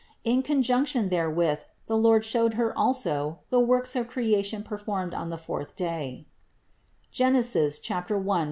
41. In conjunction therewith the Lord showed Her also the works of creation performed on the fourth day (Gen. 1, 14 17).